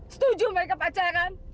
setuju mereka pacaran